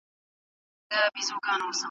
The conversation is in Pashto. مسلمانان اوس په اسلامي لارښوونو عمل کوي.